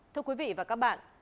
thưa quý vị và các bạn